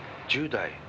１０代。